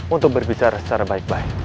untuk berbicara secara baik baik